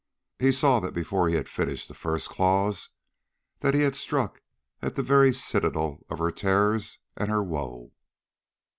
He saw before he had finished the first clause that he had struck at the very citadel of her terrors and her woe.